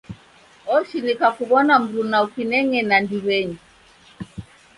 Oshinika kuw'ona mruna ukineng'ena ndiw'enyi.